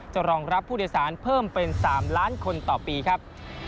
รองรับผู้โดยสารเพิ่มเป็น๓ล้านคนต่อปีครับ